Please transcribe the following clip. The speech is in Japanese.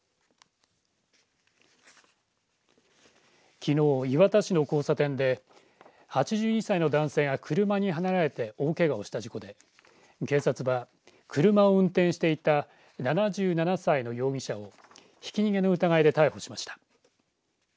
きのう、磐田市の交差点で８２歳の男性が車にはねられて大けがをした事故で警察は、車を運転していた７７歳の容疑者をひき逃げの疑いで逮捕しました。